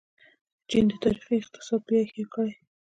چین د تاریخي اقتصاد بیا احیا کړې.